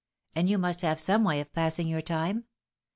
and you must have some way of passing your time.